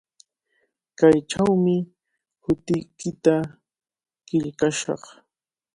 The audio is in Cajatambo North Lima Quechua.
Kaychawmi hutiykita qillqashaq.